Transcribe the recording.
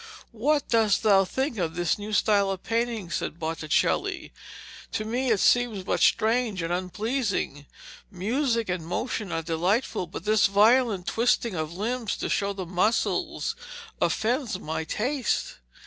'What dost thou think of this new style of painting?' asked Botticelli. 'To me it seems but strange and unpleasing. Music and motion are delightful, but this violent twisting of limbs to show the muscles offends my taste.'